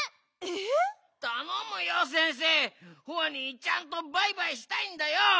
ホワにちゃんとバイバイしたいんだよ！